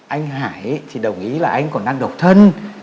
anh hải thì đồng ý là anh còn đang độc thân